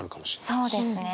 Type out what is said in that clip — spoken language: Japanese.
そうですね。